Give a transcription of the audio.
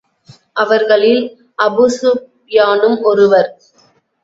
அவர்களில் அபூஸூப்யானும் ஒருவர்.